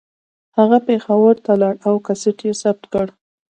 هغه پېښور ته لاړ او کیسټ یې ثبت کړه